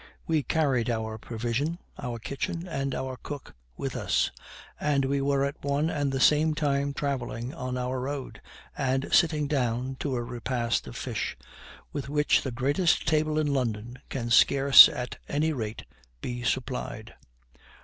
we carried our provision, our kitchen, and our cook with us, and we were at one and the same time traveling on our road, and sitting down to a repast of fish, with which the greatest table in London can scarce at any rate be supplied.